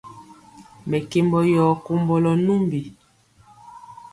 Mɛkembɔ yɔ kombolɔ numbi.